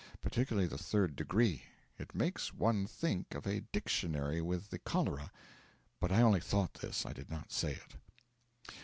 Particularly the Third Degree; it makes one think of a dictionary with the cholera. But I only thought this; I did not say it.)